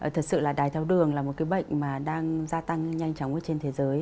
thật sự là đài theo đường là một cái bệnh mà đang gia tăng nhanh chóng trên thế giới